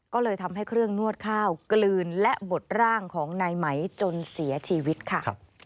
ก็เลยทำให้เครื่องนวดข้าวกลืนและบดร่างของนายไหมจนเสียชีวิตค่ะ